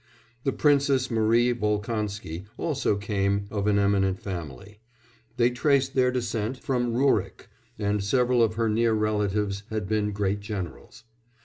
The Princess Marie Volkonsky also came of an eminent family; they traced their descent from Rurik, and several of her near relatives had been great generals.